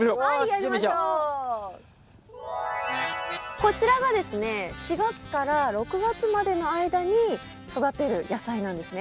こちらがですね４月から６月までの間に育てる野菜なんですね。